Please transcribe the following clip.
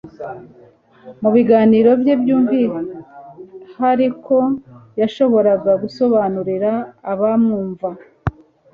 Mu biganiro bye by'umvihariko yashoboraga gusobanurira abamwumva